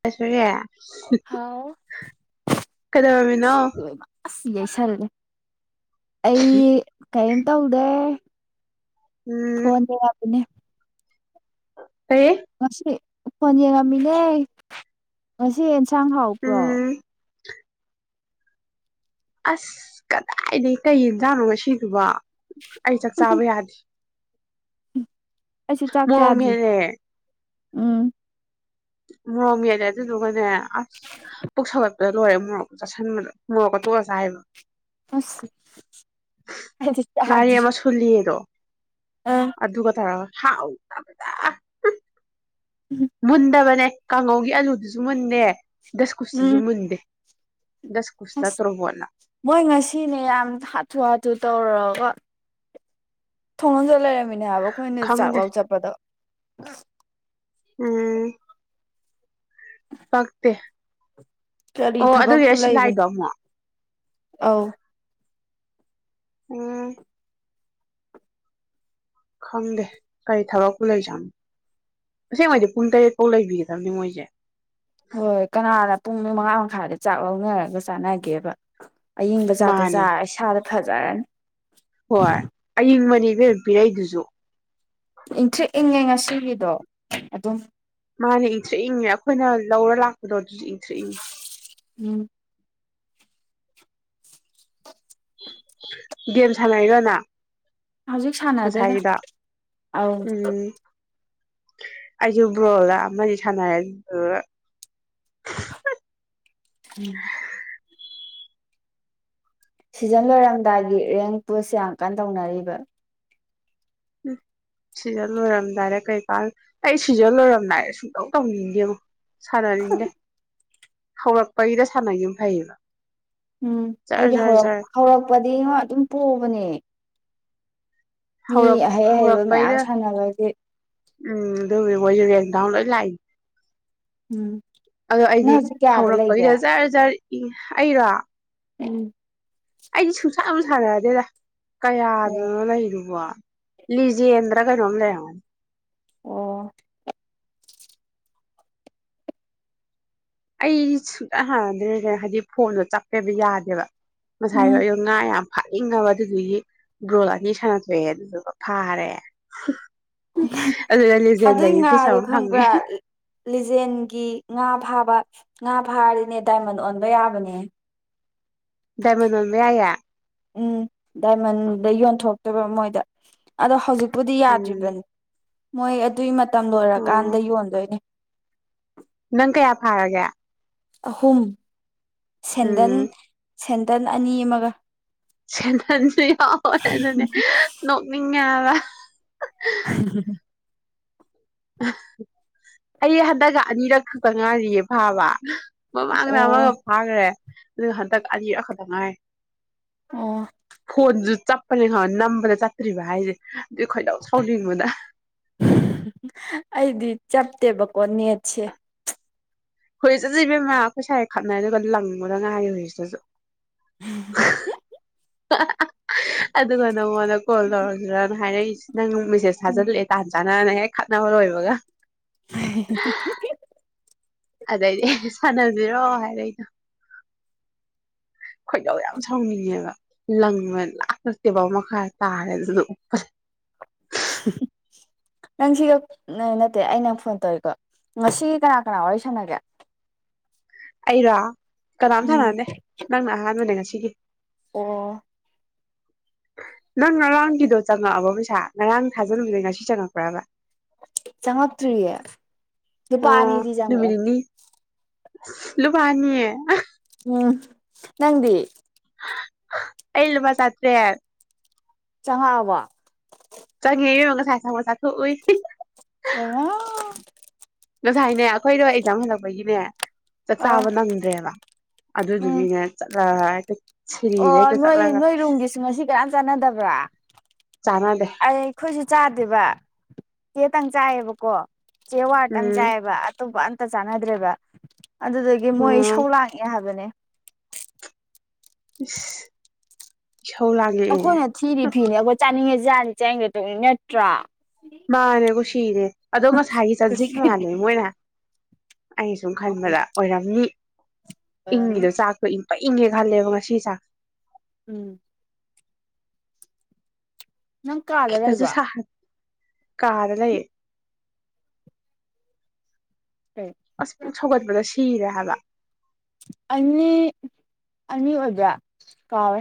ꯆꯁꯦ ꯍꯥꯎ ꯀꯗꯥꯝꯃꯤꯅꯣ ꯁꯤꯏꯁꯜꯂꯦ ꯑꯩ ꯀꯩꯝ ꯇꯧꯗꯦ ꯎꯝ ꯀꯣꯟꯗꯅꯦ ꯀꯔꯤ ꯃꯁꯦ ꯐꯣꯟ ꯌꯦꯡꯉꯝꯃꯤꯅꯦ ꯉꯁꯤ ꯌꯦ ꯍꯛꯆꯥꯡ ꯍꯥꯎꯕ꯭ꯔꯣ ꯎꯝ ꯑꯁ ꯀꯗꯥꯏꯅꯦ ꯀꯩ ꯌꯦꯟꯖꯥꯠꯅꯣ ꯉ ꯁꯤꯗꯨꯕ ꯑꯩ ꯆꯥꯛ ꯆꯥꯕ ꯌꯥꯗꯦ ꯑꯩꯁꯨ ꯆꯥꯛ ꯆꯥꯗ꯭ꯔꯤ ꯃꯑꯣꯅꯦꯦ ꯎꯝ ꯃꯣꯔꯝ ꯌꯥꯗ ꯑꯗꯨ ꯇ ꯀꯅꯦ ꯑ ꯄꯣꯛꯁꯂ ꯂꯣꯏꯔꯦ ꯃꯣꯔꯣꯛ ꯆꯥꯁꯤꯟꯕꯗ ꯃꯣꯔꯣꯛꯀ ꯇꯣꯛꯑ ꯆ ꯍꯥꯏꯕ ꯑꯁꯗꯤ ꯆ꯭ꯔꯤ ꯑꯗꯨꯗꯨ ꯀꯊ ꯍꯥꯎ ꯊꯗꯥ ꯃꯨꯟꯗꯕꯅꯦ ꯀꯥꯡꯉꯧꯒꯤ ꯑꯂꯨꯗꯨꯁꯨ ꯃꯨꯟꯗꯦ ꯗꯁꯀꯨꯁ ꯁꯤꯖꯨ ꯎꯝ ꯃꯟꯗꯦ ꯑꯁ ꯃꯣꯏ ꯉꯁꯤꯅꯦ ꯌꯥꯝ ꯍꯥꯊꯨ ꯍꯥꯊꯨ ꯇꯧꯔꯒ ꯊꯣꯡꯂꯣꯟꯖꯟ ꯂꯩꯔꯝꯃꯦ ꯅꯦ ꯍꯥꯏꯕ ꯑꯈꯣꯏꯅ ꯆꯥꯛ ꯈꯪꯗꯦ ꯂꯧ ꯆꯠꯄꯗꯣ ꯎꯝ ꯄꯛꯇꯦ ꯀꯔꯤ ꯑꯣ ꯊꯕꯛꯄꯨ ꯑꯗꯨꯒꯤꯔ ꯁꯤ ꯂꯩꯕꯅꯣ ꯂꯥꯛꯏꯗꯣ ꯑꯃꯨꯛ ꯑꯧ ꯎꯝ ꯈꯪꯗꯦ ꯀꯔꯤ ꯊꯕꯛꯄꯨ ꯂꯩꯖꯥꯅꯣ ꯑꯁꯦꯡꯕꯩꯗꯤ ꯄꯨꯡ ꯇꯔꯦꯠ ꯐꯧ ꯂꯩꯕꯤꯒꯗꯝꯅꯦ ꯃꯣꯏꯁꯦ ꯍꯣꯏ ꯀꯅꯥꯅ ꯄꯨꯡ ꯃꯉꯥ ꯃꯈꯥꯏꯗ ꯆꯥꯛ ꯂꯧꯅꯔꯒ ꯆꯥꯅꯒꯦꯕ ꯑꯏꯤꯡꯕ ꯆꯥꯛꯇꯣ ꯃꯥꯅꯦ ꯆꯥꯔ ꯏꯁꯥꯗ ꯐꯖꯔꯅꯤ ꯍꯣꯏ ꯑꯌꯤꯡꯕꯅꯤ ꯄꯤꯔꯛꯏꯗꯨꯖꯨ ꯏꯪꯊ꯭ꯔꯤꯛ ꯏꯪꯉꯦ ꯉꯁꯤꯒꯤꯗꯣ ꯑꯗꯨꯝ ꯃꯥꯅꯦ ꯏꯪꯊ꯭ꯔꯤꯛ ꯏꯪꯉꯦ ꯑꯩꯈꯣꯏꯅ ꯂꯧꯔ ꯂꯥꯛꯄꯗꯣ ꯏꯪꯊ꯭ꯔꯤꯛ ꯏꯪꯉꯦ ꯎꯝ [unintelligible] ꯒꯦꯝ ꯁꯥꯟꯅꯔꯤꯔꯣ ꯅꯪ ꯍꯧꯖꯤꯛ ꯁꯥꯟꯅꯗꯦꯗ ꯉꯁꯥꯏꯒꯤꯗꯣ ꯑꯧ ꯎꯝ ꯑꯩꯁꯨ ꯕ꯭ꯔꯣꯗ ꯑꯃꯗꯤ ꯁꯥꯟꯅꯔꯅꯤ ꯎꯝ ꯁꯤꯖꯟ ꯂꯣꯏꯔꯝꯗꯥꯏꯒꯤ ꯔꯦꯡ ꯄꯨꯁ ꯌꯥꯝ ꯀꯥꯟ ꯇꯧꯅꯔꯤꯕ ꯎ ꯁꯤꯖꯟ ꯂꯣꯏꯔꯝꯗꯥꯏꯔ ꯀꯩꯀꯥ ꯑꯩ ꯁꯤꯖꯟ ꯂꯣꯏꯔꯝꯗꯥꯏꯔ ꯁꯨꯡꯇꯧ ꯇꯧꯅꯤꯡꯗꯦꯕꯣ ꯁꯥꯅꯅꯤꯡꯗꯦ ꯍꯧꯔꯛꯄꯒꯤꯗ ꯁꯥꯟꯅꯒꯤꯝꯅ ꯐꯩꯌꯦꯕ ꯎꯝ ꯖꯔ ꯑꯩꯗꯤ ꯖꯔ ꯍꯧꯔꯛ ꯖꯔ ꯍꯧꯔꯛꯄꯗꯤ ꯉꯣ ꯑꯗꯨꯝ ꯄꯣꯕꯅꯦ ꯃꯤ ꯍꯧꯔꯛ ꯑꯍꯩ ꯑꯍꯩꯕ ꯃꯌꯥꯝ ꯍꯧꯔꯛꯄꯩꯗ ꯁꯥꯟꯅꯕꯒꯤ ꯎꯝ ꯑꯗꯨꯒꯤ ꯃꯣꯏꯖꯨ ꯕꯦꯡ ꯗꯥꯎꯟ ꯂꯣꯏ ꯂꯥꯛꯏꯅꯤ ꯎꯝ ꯑꯗꯣ ꯅꯪ ꯑꯩꯗꯤ ꯍꯧꯖꯤꯛ ꯀꯌꯥꯗ ꯂꯩꯒꯦ ꯍꯧꯔꯛꯄꯒꯤꯗ ꯖꯥꯔ ꯖꯥꯔ ꯏ ꯑꯩꯔꯣ ꯎꯝ ꯑꯩꯗꯤ ꯁꯨꯡꯁꯥ ꯑꯃ ꯁꯥꯟꯅꯗꯦꯗ ꯑꯣ ꯀꯌꯥꯗꯅꯣ ꯂꯩꯗꯨꯕꯣ ꯂꯤꯖꯟꯗ꯭ꯔ ꯀꯩꯅꯣꯗꯅꯤ ꯑꯣ ꯑꯩꯗꯤ ꯁꯨꯡꯛꯇ ꯍꯥꯟꯅꯗ꯭ꯔꯦ ꯍꯥꯏꯗꯤ ꯐꯣꯟꯗꯣ ꯆꯠꯄꯦꯕ ꯌꯥꯗꯦꯕ ꯉꯁꯥꯏꯗꯣ ꯎꯝ ꯑꯩꯣ ꯉꯥ ꯌꯥꯝ ꯐꯥꯛꯏꯉꯕ ꯑꯗꯨꯒꯤ ꯒ꯭ꯔꯣꯂꯥꯗꯤ ꯁꯥꯟꯅ ꯊꯣꯛꯣꯛꯑꯦ ꯑꯗꯨꯗꯨꯒ ꯐꯥꯔꯦ ꯑꯗꯨꯗ ꯑꯗꯨꯏ ꯂꯤꯖꯦꯟꯗꯔꯤ ꯐꯤꯁ ꯉꯥꯗꯣ ꯑꯃ ꯐꯪꯉꯦ ꯈꯪꯕ꯭ꯔꯥ ꯂꯤꯖꯦꯟꯒꯤ ꯉꯥ ꯐꯥꯕ ꯉꯥ ꯐꯥꯔꯤꯅꯦ ꯗꯥꯏꯃꯟ ꯑꯣꯟꯕ ꯌꯥꯕꯅꯦ ꯗꯏꯃꯅꯣꯟꯃꯦꯌꯥꯦ ꯎꯝ ꯗꯥꯏꯃꯟꯗ ꯌꯣꯟꯊꯣꯛꯇꯣꯏꯕ ꯃꯣꯏꯗ ꯑꯗꯣ ꯍꯧꯖꯤꯛ ꯄꯨꯕꯨꯗꯤ ꯌꯥ ꯎꯝ ꯑꯗꯨꯕꯅꯤ ꯃꯣꯏ ꯑꯗꯨꯒꯤ ꯇꯝ ꯑꯣ ꯂꯣꯏꯔꯀꯥꯟꯗ ꯌꯣꯟꯗꯣꯏꯅꯦ ꯅꯪ ꯀꯌꯥ ꯐꯥꯔꯒꯦ ꯑꯍꯨꯝ ꯁꯦꯟꯗꯟ ꯎꯝ ꯁꯦꯟꯇꯟ ꯑꯅꯤ ꯑꯃꯒ [unintelligible] ꯕ ꯎ ꯑꯩ ꯍꯟꯗꯛꯀ ꯑꯅꯤꯔꯛ ꯈꯛꯇ ꯉꯥꯏꯔꯤꯌꯦ ꯐꯥꯕ ꯃꯃꯥꯡꯅ ꯑꯃꯒ ꯑꯣ ꯐꯥꯈ꯭ꯔꯦ ꯑꯗꯨ ꯍꯟꯗꯛ ꯑꯅꯤ ꯈꯛꯇꯪ ꯉꯥꯏ ꯑꯣ ꯈꯣꯟꯖ ꯆꯞꯄꯅꯤ ꯈ ꯅꯝꯕꯅ ꯆꯠꯇ꯭ꯔꯤ ꯚ ꯍꯥꯏꯁꯦ ꯈꯣꯏꯂꯎ ꯁꯥꯎꯔꯤ ꯃꯥ ꯑꯩꯗꯤ ꯆꯞꯇꯦꯕꯀꯣ ꯅꯦꯠꯁꯦ ꯍꯣꯏ ꯆꯠꯆ ꯏꯕꯦꯝꯃꯥ ꯑꯩꯈꯣꯏ ꯁꯥꯏꯦ ꯈꯞꯅꯩ ꯑꯗꯨꯒ ꯂꯪꯉꯗ ꯉꯥꯏꯌꯦ ꯍꯨꯏꯁꯤꯗꯁꯨ [unintelligible] ꯑ ꯑꯗꯨꯒ ꯅꯪꯉꯣꯟꯗ ꯀꯣꯜ ꯇꯧꯔꯁꯤꯔꯅ ꯍꯥꯏꯔꯛꯏꯁꯦ ꯅꯪ ꯃꯦꯁꯦꯖ ꯎꯝ ꯊꯥꯖꯜꯂꯛꯑꯦ ꯇꯥꯟ ꯆꯥꯟꯅꯅ ꯍꯦꯛ ꯅꯔꯣ ꯏꯕꯒ [unintelligible] ꯑꯗꯩꯗꯤ ꯁꯥꯟꯅꯁꯤꯔꯣ ꯍꯥꯏꯔ ꯑꯩꯅꯣ ꯈꯣꯏꯗꯧ ꯌꯥꯝ ꯁꯥꯎꯅꯤꯡꯉꯦꯕ ꯂꯪꯕ ꯂꯥꯂꯛꯇꯦꯕꯥꯎ ꯃꯈꯥ ꯇꯥꯔꯦ ꯑꯗꯨꯗ ꯎꯞꯄꯜ ꯅꯪ ꯁꯤꯒ ꯅꯠꯇꯦ ꯑꯩ ꯅꯪ ꯐꯣꯟ ꯇꯧꯔꯤꯀꯣ ꯉꯁꯤ ꯀꯅꯥ ꯀꯅꯥ ꯋꯥꯔꯤ ꯁꯥꯟꯅꯒꯦ ꯑꯩꯔ ꯀꯅꯥꯝ ꯎꯝ ꯊꯥꯟꯅꯅꯅꯦꯦ ꯅꯪꯅ ꯑꯍꯥꯟꯕꯅꯦ ꯉꯁꯤ ꯁꯤ ꯑꯣ ꯅꯪ ꯔꯔꯥꯎꯟꯒꯤꯗꯣ ꯆꯪꯉꯛꯑꯕꯣ ꯄꯩꯁꯥ ꯉꯔꯥꯡ ꯊꯥꯖꯟꯂꯝꯗꯦ ꯉꯁꯤ ꯆꯪꯉ ꯐꯔ ꯆꯪꯉꯛꯇ꯭ꯔꯤꯌꯦ ꯂꯨꯄꯥ ꯑꯅꯤꯗꯤ ꯆꯪꯉꯛꯑꯦ ꯂꯨꯕꯥꯅꯤꯌꯦ ꯑ ꯎꯝ ꯅꯪꯗꯤ ꯑꯩꯂ ꯃꯥ ꯆꯠꯇꯦ ꯌꯥ ꯆꯍꯥ ꯋꯥ ꯆꯉ ꯌꯦ ꯃꯒꯁꯥꯏ ꯁ ꯃꯣꯁ ꯊꯣꯛꯏ ꯑꯣ ꯉꯁꯥꯏꯅꯦ ꯑꯩꯈꯣꯏꯗꯣ ꯑꯦꯛꯖꯥꯝ ꯍꯜꯂꯛꯄꯒꯤꯅꯦ ꯆꯥꯛ ꯑꯥ ꯆꯥꯕ ꯅꯪꯗ꯭ꯔꯦꯕ ꯎꯝ ꯑꯗꯨꯗꯨꯒꯤꯅꯦ ꯆꯠꯂ ꯑꯣ ꯅꯣꯏ ꯅꯣꯏ ꯔꯨꯝꯒꯤꯁꯨ ꯉꯁꯤ ꯀꯔꯝ ꯆꯥꯟꯅꯗꯕ꯭ꯔꯥ ꯆꯥꯟꯅꯗꯦ ꯑ ꯈꯣꯏꯖ ꯆꯥꯗꯦꯕ ꯀꯦꯇꯪ ꯆꯥꯏꯌꯦꯕꯀꯣ ꯆꯦ ꯋꯥꯇꯪ ꯎꯝ ꯆꯥꯏꯕ ꯠꯇ ꯆꯥꯟꯗ꯭ꯔꯦꯕ ꯑꯗꯨꯗꯒꯤ ꯃꯣꯏ ꯎꯝ ꯁꯧ ꯂꯥꯡꯉꯦ ꯍꯥꯏꯕꯅꯦ [unintelligible] ꯂꯥꯡꯉꯛꯑꯦ ꯑꯩꯈꯣꯏꯅ ꯊꯤꯔꯤ ꯐꯤꯅꯤ ꯑꯩꯈꯣꯏ ꯆꯥꯅꯤꯡꯉꯦꯁꯤ ꯖꯥꯁꯒ ꯇ ꯅꯠꯇ꯭ꯔꯥ ꯃꯥꯅꯦꯕꯨꯁꯤꯍꯤꯔꯦ ꯑꯗꯣ ꯉꯁꯥꯏꯒꯤ ꯆꯖꯤꯛ ꯀ꯭ꯔꯤꯁꯇꯤꯅꯦ ꯃꯥꯜꯂꯦ ꯃꯣꯏꯅ ꯑꯩꯅ ꯁꯨꯝ ꯈꯟꯕꯗ ꯑꯣꯏꯔꯝꯃꯤ ꯑꯣꯏꯔꯝꯅꯤ ꯏꯪꯉꯗꯣ ꯆꯥꯛꯄꯣ ꯏꯪ ꯏꯒꯦ ꯈꯂꯦꯕ ꯉ ꯁꯤ ꯆꯥꯡ ꯎꯝ ꯅꯪ ꯀꯥꯗ ꯂꯩꯕ꯭ꯔꯥ ꯀꯔꯂꯌꯦꯦ ꯀꯩ ꯑꯁ ꯁꯧꯒꯠꯄꯗ ꯁꯤꯔꯦ ꯍꯥꯏꯕ ꯑꯅꯤ ꯑꯅꯤ ꯑꯣꯏꯕ ꯀꯥꯎꯋꯦ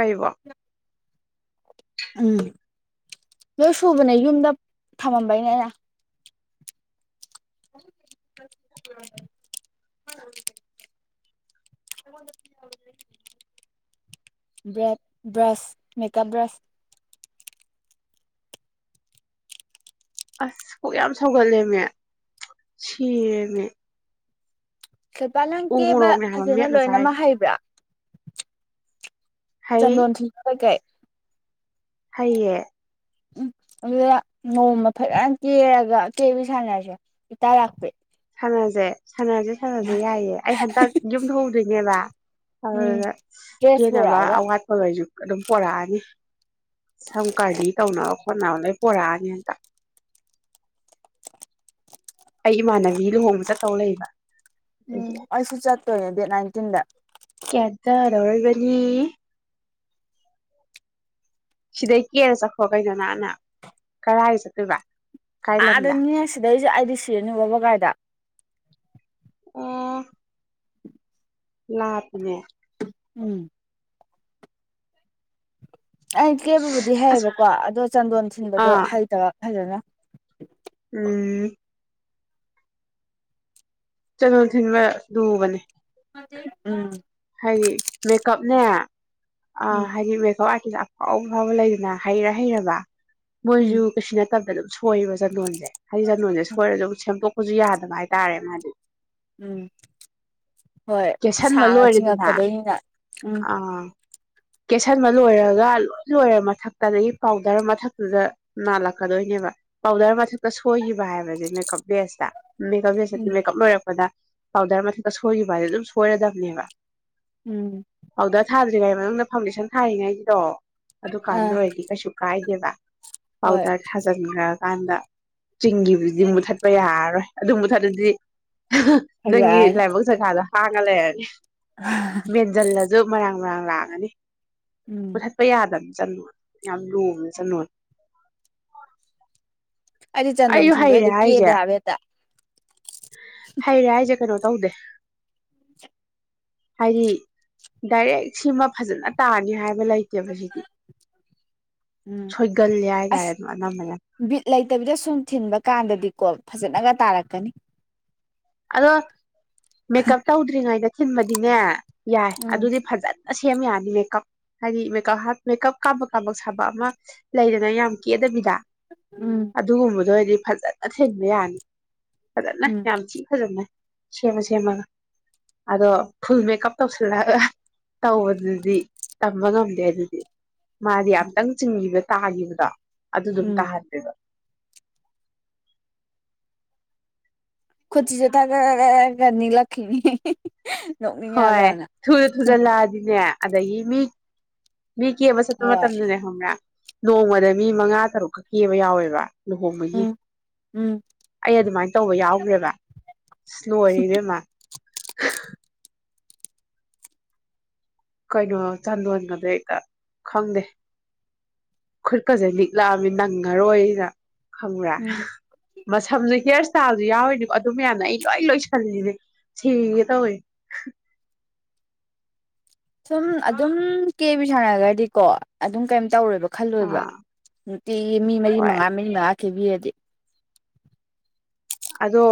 ꯀꯩꯔꯤꯕ ꯎꯝ ꯅꯣꯏ ꯁꯨꯕꯅꯦ ꯌꯨꯝꯗ ꯊꯝꯃꯝꯕꯩꯅꯦ ꯑꯩꯅ ꯫ ꯔꯦꯠ ꯕ꯭ꯔꯥꯁ ꯃꯦꯀꯞ ꯕ꯭ꯔꯥꯁ꯫ ꯑꯁ ꯄꯨꯛ ꯌꯥꯝ ꯁꯧꯒꯠꯂꯦꯃꯦ ꯁꯤꯔꯦꯃꯦ꯫ ꯁꯤꯜꯄꯥ ꯅꯪ ꯎ ꯀꯦꯕ ꯃꯣꯔꯣꯛꯅꯦ ꯍꯥꯏꯕ ꯐꯖꯅ ꯃꯦꯠꯂ ꯆꯥꯏ ꯂꯣꯏꯅꯃꯛ ꯍꯩꯕ꯭ꯔꯥ꯫ ꯍꯩ ꯆꯟꯗꫭꯜ ꯊꯤꯟꯕ ꯀꯩ ꯀꯩ꯫ ꯍꯩꯌꯦ꯫ ꯎꯝ ꯑꯗꯨꯗ ꯅꯣꯡꯃ ꯐꯖꯅ ꯀꯦꯔꯒ ꯀꯦꯕꯤ ꯁꯥꯟꯅꯁꯦ ꯏꯇꯥ ꯂꯥꯛꯄꯤ꯫ ꯁꯥꯟꯅꯖꯦ꯫ ꯁꯥꯟꯅꯁꯦ ꯁꯥꯟꯅꯁꯦ ꯌꯥꯏꯌꯦ ꯑꯩ ꯍꯟꯗꯛ ꯌꯨꯝ ꯊꯣꯛꯎꯗꯣꯏꯅꯦꯕ꯫ ꯎꯝ ꯑꯗꯨꯅ ꯗ꯭ꯔꯦꯁ ꯀꯦꯅꯕ ꯄꯨꯔꯛꯑꯒ ꯑꯋꯥꯠꯄ ꯒꯩꯁꯨ ꯑꯗꯨꯝ ꯄꯣꯔꯛꯑꯅꯤ꯫ ꯁꯝ ꯀꯔꯅꯤ ꯇꯧꯅꯕ ꯈꯣꯠꯅꯕ ꯂꯣꯏ ꯄꯣꯔꯛꯑꯅꯤꯍꯟꯗꯛ꯫ ꯑꯩ ꯏꯃꯥꯟꯅꯕꯤ ꯂꯨꯍꯣꯡꯕ ꯆꯠꯇꯧ ꯂꯩꯕ꯫ ꯎꯝ ꯑꯗꯨꯒꯤ ꯑꯩꯁꯨ ꯆꯠꯇꫭꯏꯅꯤ꯫ ꯗꯦꯠ ꯅꯥꯏꯟꯇꯤꯟꯗ꯫ ꯀ‌ꯦꯇ ꯗꯧꯔꯤꯕꯅꯤ꯫ ꯁꯤꯗꯩ ꯀꯦꯔ ꯆꯠꯈ꯭ꯔꫭ ꯀꯩꯅꯣ ꯅꯥꯟꯅ ꯀꯔꯥꯏ ꯆꯠꯇꯣꯏꯕ꯫ ꯀꯥꯏ ꯑꯗ ꯂꯝꯗ ꯅꯤꯅ‌ꯩꯁꯤꯗꯩꯁ꯫ ꯑꯩꯗꯤ ꯁꯤꯔꯅꯤ ꯋꯥꯕꯒꯥꯏꯗ꯫ ꯑꯣ꯫ ꯂꯥꯞ ꯄꯤꯅꯦ꯫ ꯎꯝ꯫ ꯑꯩ ꯀꯦꯕꯕꯨꯗꯤ ꯑꯁ ꯍꯩꯌꯦꯕꯀꯣ ꯑꯗꯣ ꯆꯟꯗꯣꯟ ꯊꯤꯟꯕꯗꯣ ꯑꯥ ꯍꯩꯇꯕ ꯐꯖꯅ꯫ ꯎꯝ꯫ ꯆꯟꯗꫭꯟ ꯊꯤꯟꯕ ꯂꯨꯕꯅꯤ꯫ ꯎꯝ꯫ ꯍꯥꯏꯗꯤ ꯃꯦꯀꯞꯅꯦ꯫ ꯑꯥ ꯎꯝ ꯍꯥꯏꯗꯤ ꯃ‌ꯦꯀꯞꯑꯥꯠ꯫ ꯗ ꯑꯐꯥꯎ ꯑꯐꯥꯎꯕ ꯂꯩꯗꯅ ꯍꯩꯔ ꯍꯩꯔꯕ꯫ ꯎꯝ ꯃꯣꯏꯖꯨ ꯀꯁꯅꯠ꯫ ꯇꯞꯅ ꯑꯗꯨꯝ ꯁꯣꯏꯌ‌ꯦꯕ ꯆꯟꯗꯣꯟꯁꯦ꯫ ꯍꯥꯏ ꯆꯟꯗ‌ꯣꯟꯁ‌ꯦ ꯁꫭꯏꯔꯁꯨꯗꯨꯝ ꯁ‌ꯦꯝꯗꫭꯛ꯫ ꯍꯨꯖꯤꯛ ꯌꯥꯗꯕ ꯍꯥꯏꯇꯥꯔꯦ ꯃꯥꯗꯤ꯫ ꯎꯝ꯫ ꯍꯣꯏ ꯀꯦꯁꯟꯕ ꯁꯥꯡꯅ ꯂꯣꯏꯔꯦꯗꯅ ꯆꯤꯡꯉꯛꯀꯗꯣꯏꯅꯤꯅ ꯎꯝ꯫ ꯀꯦꯠꯁꯤꯟꯕ ꯂꯣꯏꯔꯒ ꯂꯣꯏ ꯂꯣꯏꯔ ꯃꯊꯛꯇꯗꯒꯤ ꯄꯥꯎꯗꯔ ꯃꯊꯛꯇꯨꯗ ꯅꯥꯜꯂꯛꯀꯗꯣꯏꯅꯦꯕ ꯄꯥꯎꯗꯔ ꯃꯊꯛꯇ ꯁꯣꯏꯈꯤꯕ ꯍꯥꯏꯕꯗꯤ ꯃꯦꯀꯞ ꯕꯦꯁꯇ꯫ ꯃꯦꯀꯞ ꯕ‌ꯦꯁꯗꯤ ꯎꯝ ꯃꯦꯀꯞ ꯂꯣꯏꯔꯛꯄꯗ꯫ ꯍꯥꯎꯗꯔ ꯃꯊꯛꯇ ꯁꫭꯏꯒꯤꯕꯍꯥꯏꯕꯁ‌ꯦ ꯑꯗꯨ꯫ ꯁꯣꯏꯔꯗꯝꯅꯦꯕ꯫ ꯎꯝ ꯑꯣꯥꯎꯗ ꯊꯥ ꯀꯖꯤ ꯀ ꯍꯥꯏꯕ ꯅꯪꯅ ꯐꯥꯎꯟꯗꯦꯁꯟ ꯊꯥꯔꯤꯉꯒꯤꯗꯣ ꯑꯗꯨ ꯀꯥꯟꯗ ꯑꯥ ꯑꯣꯏꯔꯗꯤ ꯀꯩꯁꯨ ꯀꯥꯏꯗꯦꯕ ꯍꯣꯏ ꯄꯥꯎꯗ ꯍꯖꯔ ꯃꯔꯛ ꯀꯥꯟꯗ ꯆꯤꯡꯒꯤꯕꯨꯗꯤ ꯃꯨꯊꯠꯄ ꯌꯥꯔꯔꯣꯏ ꯑꯗꯨꯝꯕ ꯊꯥꯗꯗꯤ ꯅꯪꯒꯤ ꯍꯩꯔꯛꯑꯅꯤ ꯂꯥꯏꯃꯛ ꯆꯈꯥꯗ ꯍꯥꯡꯒꯂꯅꯤ ꯃꯦꯟꯁꯤꯜꯂꯁꯨ ꯃꯔꯥꯡ ꯃꯔꯥꯡ ꯂꯥꯛꯒꯅꯤ ꯎꯝ ꯄꯨꯊꯠꯄ ꯌꯥꯗꯕ ꯆꯣ ꯌꯥꯝ ꯂꯨꯃꯦ ꯆꯅꯣ ꯑꯩꯗꯤ ꯆꯥꯟꯗꯣꯟ ꯁꯤꯤꯟꯗꯣꯏ ꯑꯣꯏꯗꯤ ꯀꯦꯦ ꯍꯥꯏꯕꯦ ꯍꯥꯏꯔꯦ ꯍꯥꯏꯁꯦ ꯀꯩꯅꯣ ꯇꯧꯗꯦ ꯍꯥꯏꯗꯤ ꯗꯥꯏꯔꯦꯛ ꯁꯤꯃ ꯐꯖꯅ ꯇꯥꯔꯅꯤ ꯍꯥꯏꯕ ꯂꯩꯇꯦꯕ ꯁꯤꯗꯤ ꯎꯝ ꯁꯣꯏꯒꯜꯂꯦ ꯍꯥꯏꯇꯥꯔꯦ ꯑꯁ ꯑꯗꯨꯝ ꯑꯅꯝꯕꯅ ꯕꯤꯠ ꯂꯩꯇꯕꯤꯗ ꯁꯨꯝ ꯊꯤꯟꯕ ꯀꯥꯟꯗꯗꯤꯀꯣ ꯐꯖꯅꯒ ꯇꯥꯔꯛꯀꯅꯤ ꯑꯗꯣ ꯃ ꯀꯞꯇ ꯎꯗ꯭ꯔꯤꯉ ꯑꯩꯒ ꯁꯤꯤꯟꯕꯗꯤꯅꯦ ꯌꯥꯏ ꯎꯝ ꯑꯗꯨꯗꯤ ꯐꯖꯅ ꯁꯦꯝ ꯌꯥꯅꯤ ꯍꯥꯏ ꯃꯦꯀꯞ ꯍꯥꯏꯗꯤ ꯃꯦꯀꯞ ꯍꯥ ꯃꯦꯀꯞ ꯀꯥꯕ ꯀꯥꯕꯞ ꯁꯥꯕ ꯑꯃ ꯂꯩꯗꯅ ꯌꯥꯝ ꯀꯦꯗꯕꯤꯗ ꯎꯝ ꯑꯗꯨꯒꯨꯝꯕꯗꯣ ꯍꯥꯏꯗꯤ ꯐꯖ ꯊꯦꯛ ꯌꯥꯅꯤ ꯅ ꯎꯝ ꯌꯥꯝ ꯐꯖꯃꯦ ꯁꯦꯝꯃ ꯁꯦꯝꯃꯒ ꯑꯗꯣ ꯐꯨꯜ ꯃꯦꯀꯞ ꯇꯧꯁꯤꯜꯂꯒ ꯇꯧꯕꯗꯨꯗꯤ ꯇꯝꯕ ꯉꯝꯗꯦ ꯑꯗꯨꯗꯤ ꯃꯥꯗꯤ ꯌꯥꯝꯇꯪ ꯆꯤꯡꯕꯤꯕ ꯇꯥꯒꯤꯗ ꯑꯗꯨꯗꯨꯝ ꯎꯝ ꯇꯥꯍꯟꯄꯤꯕ ꯈꯨꯨꯖꯤꯁꯨꯇꯅꯤ ꯂꯛꯅꯤ ꯍꯣꯏ ꯊꯨꯅ ꯊꯨꯖꯂꯛꯑꯗꯤꯅꯦ ꯑꯗ ꯍ ꯃꯤ ꯃꯤ ꯀꯦꯕ ꯆꯠꯄ ꯍꯣꯏ ꯃꯇꯝꯗꯅꯦ ꯈꯪꯕꯔꯥ ꯅꯣꯡꯃꯗ ꯃꯤ ꯃꯉꯥ ꯇꯔꯨꯛꯀ ꯀꯦꯕ ꯌꯥꯎꯋꯦꯕ ꯂꯨꯍꯣꯡꯕꯒꯤ ꯎꯝ ꯎꯝ ꯑꯩ ꯑꯗꯨꯃꯥꯏꯟ ꯇꯧꯕ ꯌꯥꯎꯈ꯭ꯔꯦꯕ ꯁꯤꯁ ꯂꯣꯏꯔꯦ ꯏꯕꯦꯝꯃ ꯀꯩꯅꯣ ꯆꯥꯟꯗꯣꯟꯒꯗꯩꯗ ꯈꯪꯗꯦ ꯈꯨꯠꯀꯁꯦ ꯅꯤꯛꯂꯛꯑꯃꯤ ꯅꯪꯉꯔꯣꯏꯅ ꯈꯪꯕꯔꯥ ꯎꯝ ꯃꯁꯝꯖꯤ ꯍꯤꯌꯥꯔ ꯏꯁꯇꯥꯏꯜꯖꯨ ꯌꯥꯎꯔꯤꯅꯤꯀꯣ ꯑꯗꯨ ꯃꯌꯥꯝꯅ ꯑꯩ ꯂꯣꯏ ꯂꯣꯏꯁꯜꯂꯤꯅꯤ ꯁꯤꯒꯦ ꯇꯧꯋꯦ ꯁꯨꯝ ꯑꯗꯨꯝ ꯀꯦꯕꯤ ꯁꯥꯟꯅꯒꯔꯗꯤꯀꯣ ꯑꯗꯨꯝ ꯀꯩꯝ ꯇꯧꯔꯦꯏꯕ ꯈꯜꯂꯣꯏꯕ ꯑꯥ ꯅꯨꯇꯤꯒꯤ ꯃꯤ ꯃꯔꯤ ꯍꯣꯏ ꯃꯉꯥ ꯃꯔꯤ ꯃꯉꯥ ꯀꯦꯕꯤꯌꯦꯗꯤ ꯑꯗꯣ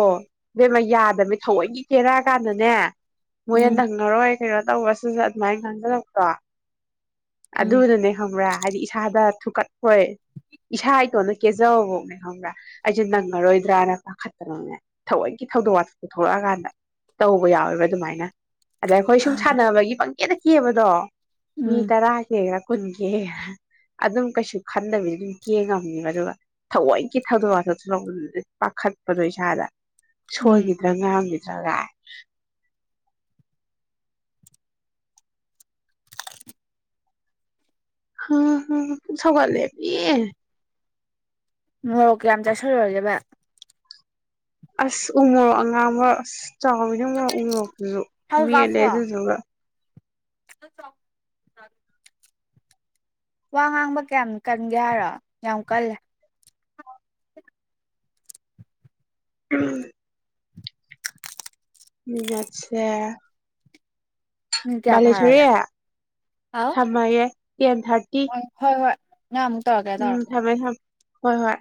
ꯕꯦꯝꯃ ꯌꯥꯗꯃꯦ ꯊꯑꯣꯏꯀꯤ ꯀꯦꯔꯛꯑꯀꯥꯟꯗꯅꯦ ꯃꯣꯏ ꯅ ꯎꯝ ꯅꯪꯉꯔꯣꯏ ꯀꯩꯅꯣ ꯇꯧꯕ ꯁꯨꯁ ꯑꯗꯨꯃꯥꯏ ꯉꯥꯡꯅꯔꯛꯄꯔꯣ ꯎꯝ ꯑꯗꯨꯅꯅꯦ ꯈꯪꯕ꯭ꯔꯥ ꯍꯥꯏꯗꯤ ꯏꯁꯥꯗ ꯊꯨꯀꯠꯐꯣꯏ ꯏꯁꯥ ꯏꯇꯣꯟꯗ ꯀꯦꯖꯕꯕꯧꯅꯦ ꯈꯪꯕ꯭ꯔꯥ ꯑꯩꯁꯦ ꯅꯪꯉꯔꯣꯏꯗ꯭ꯔꯥꯅ ꯄꯥꯈꯠꯇꯅꯅꯦ ꯊꯑꯣꯏꯒꯤ ꯊꯧꯗꯣꯛ ꯋꯥꯊꯣꯛ ꯊꯣꯛꯂꯛꯑꯀꯥꯟꯗ ꯇꯧꯕ ꯌꯥꯎꯋꯦꯕ ꯑꯗꯨꯃꯥꯏꯅ ꯑꯗ ꯑꯩꯈꯣꯏ ꯁꯨꯝ ꯁꯥꯟꯅꯕꯒꯤ ꯄꯡ ꯀꯦꯗ ꯀꯦꯕꯗꯣ ꯃꯤ ꯎꯝ ꯇꯔꯥ ꯍꯦꯌꯛ ꯀꯨꯟꯒꯤ ꯑꯗꯨꯝ ꯀꯩꯁꯨ ꯈꯟꯗꯕꯤꯗ ꯗꯨꯝ ꯀꯦꯉꯝꯅꯦꯕ ꯑꯗꯨꯒ ꯊꯑꯣꯏꯀꯤ ꯊꯧꯗꯣꯛ ꯋꯥꯊꯣꯛ ꯊꯣꯛꯂꯛꯄꯗꯨꯗꯗꯤ ꯄꯥꯈꯠꯄꯗꯣ ꯏꯁꯥꯗ ꯎꯝ ꯁꯣꯏꯒꯤꯗ꯭ꯔꯥ ꯉꯥꯡꯒꯤ ꯆꯂꯥꯏ ꯍ ꯍ ꯄꯨꯛ ꯁꯧꯒꯠꯂꯦ ꯑꯦ ꯃꯣꯔꯣꯛ ꯀꯌꯥꯝ ꯆꯥꯁꯜꯂꯨꯔꯒꯦꯕ ꯑꯁ ꯎꯃꯣꯔꯣꯛ ꯑꯉꯥꯡꯕ ꯑꯁ ꯆꯥꯎꯋꯤꯅ ꯃꯨꯔꯣꯛ ꯎꯃꯨꯔꯣꯛ ꯗꯨꯖꯨ ꯃꯦꯠꯂꯦ ꯑꯗꯨꯗꯨꯒ ꯈꯥ ꯆꯥꯎ ꯑ ꯋꯥ ꯉꯥꯡꯕ ꯀꯌꯥꯝ ꯀꯟꯒꯦ ꯍꯥꯏꯔꯣ ꯌꯥꯝ ꯀꯜꯂꯦ ꯎꯝ ꯃꯤꯅꯠꯁꯦ ꯃꯤꯅꯤꯠ ꯀꯌꯥ ꯃꯂꯦꯁꯣꯔꯤ ꯐꯥꯔꯒꯦ ꯑ ꯊꯞꯃꯒꯦ ꯇꯦꯟ ꯊꯥꯔꯇꯤ ꯅ ꯑꯃꯨꯛ ꯇꯧꯔꯀꯦ ꯎꯝ ꯇꯧꯔꯛ ꯊꯝꯃꯦ ꯊꯝꯃꯦ ꯍꯣꯏ ꯍꯣꯏ